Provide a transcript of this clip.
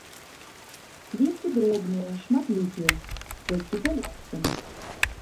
Кветкі дробныя, шматлікія, з пяццю пялёсткамі.